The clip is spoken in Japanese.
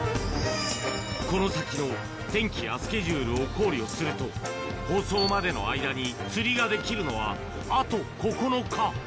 この先の天気やスケジュールを考慮すると、放送までの間に釣りができるのはあと９日。